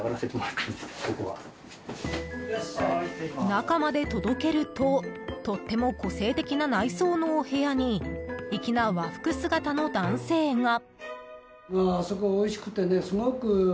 中まで届けるととっても個性的な内装のお部屋に粋な和服姿の男性が。